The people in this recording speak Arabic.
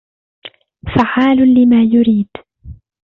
فَعَّالٌ لِمَا يُرِيدُ